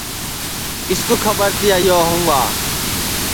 کِس کُو کھٻر تی کہ یو ہؤں گا